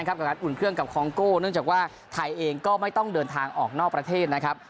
การอุ่นเครื่องก่อนที่คองโก้เนื่นจากไทยเองก็ไม่ต้องออกเกี่ยวกับหน้าประเทศนะครับ